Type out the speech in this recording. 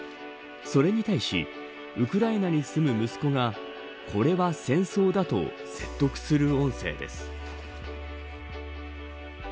それに対しウクライナに住む息子がこれは戦争だと説得する音声です。